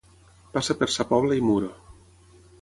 Passa per Sa Pobla i Muro.